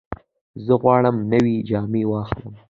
زه غواړم نوې جامې واخلم.